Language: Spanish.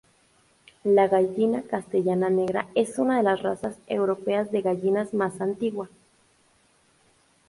La gallina castellana negra es una de las razas europeas de gallinas más antigua.